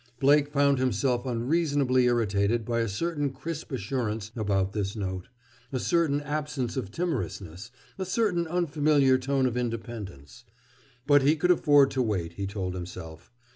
Blake found himself unreasonably irritated by a certain crisp assurance about this note, a certain absence of timorousness, a certain unfamiliar tone of independence. But he could afford to wait, he told himself.